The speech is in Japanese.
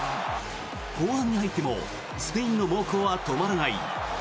後半に入ってもスペインの猛攻は止まらない。